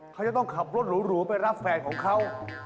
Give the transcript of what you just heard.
เขาจะต้องขับรถหรูไปรับแฟนของเขา